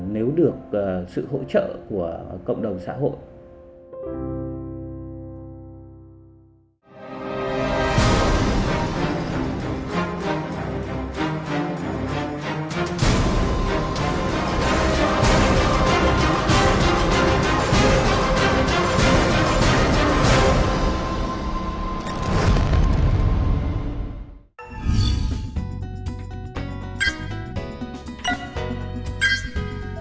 nếu được sự hỗ trợ của cộng đồng xã hội